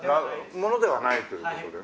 ものではないという事で。